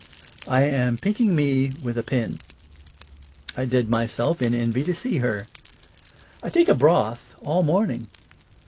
I am pinking me with a pin. I dead myself in envy to see her. I take a broth all morning.